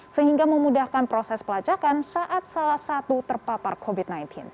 sehingga memudahkan proses pelacakan saat salah satu terpapar covid sembilan belas